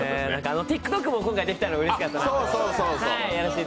ＴｉｋＴｏｋも今回できたのがうれしかったです。